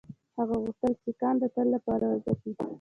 هغه غوښتل سیکهان د تل لپاره وځپي.